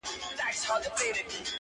دې دوستی ته خو هیڅ لاره نه جوړیږي،